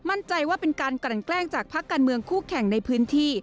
มั่นใจว่าเป็นการกลั่นแกล้งจากพักการเมืองคู่แข่งในพื้นที่